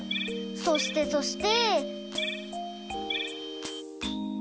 そしてそして。